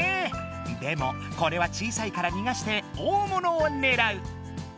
でもこれは小さいからにがして大物をねらう！